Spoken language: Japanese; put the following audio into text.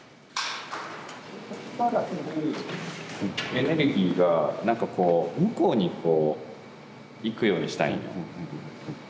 エネルギーがなんかこう向こうに行くようにしたいんや。